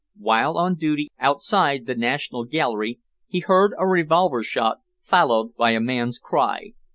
while on duty outside the National Gallery, he heard a revolver shot, followed by a man's cry.